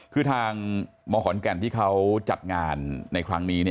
คือทางมขอนแก่นที่เขาจัดงานในครั้งนี้